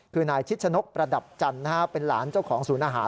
คือนายชิดชนกประดับจันทร์เป็นหลานเจ้าของศูนย์อาหาร